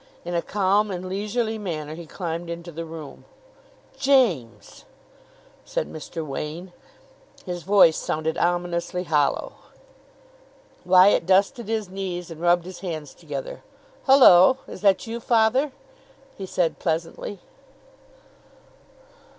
In a calm and leisurely manner he climbed into the room. "James!" said Mr. Wain. His voice sounded ominously hollow. Wyatt dusted his knees, and rubbed his hands together. "Hullo, is that you, father!" he said pleasantly.